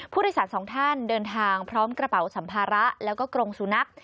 ผู้โดยสารสองท่านเดินทางพร้อมกระเป๋าสัมภาระแล้วก็กรงสุนัข